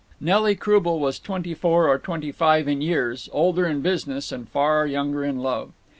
Nelly Croubel was twenty four or twenty five in years, older in business, and far younger in love.